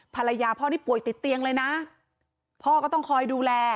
ภรรยาพ่อนี่ป่วยติดเตียงเลยนะพ่อก็ต้องคอยดูแล